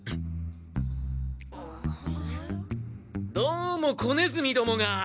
どうも子ネズミどもが。